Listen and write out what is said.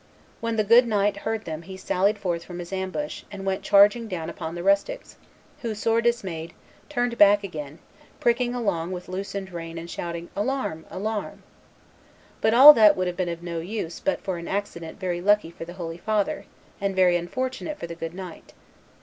When the good knight heard them he sallied forth from his ambush, and went charging down upon the rustics, who, sore dismayed, turned back again, pricking along with loosened rein and shouting, Alarm! alarm! But all that would have been of no use but for an accident very lucky for the holy father, and very unfortunate for the good knight.